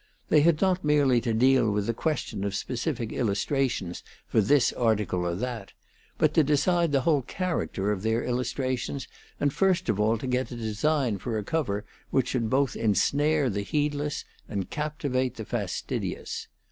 They had not merely to deal with the question of specific illustrations for this article or that, but to decide the whole character of their illustrations, and first of all to get a design for a cover which should both ensnare the heedless and captivate the fastidious.